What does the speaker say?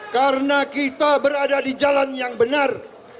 karena kita berada di jalan yang benar